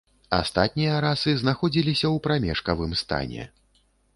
Астатнія расы знаходзіліся ў прамежкавым стане.